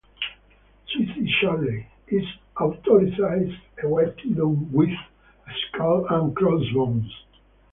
"Suicide Charley" is authorized a white guidon with a skull and crossbones.